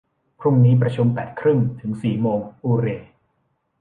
พรุ่งนี้ประชุมแปดครึ่งถึงสี่โมง อูเร